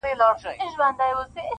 د آمو مستو څپوکي -